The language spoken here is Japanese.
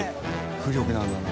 浮力なんだな。